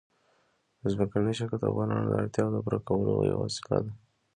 ځمکنی شکل د افغانانو د اړتیاوو د پوره کولو یوه وسیله ده.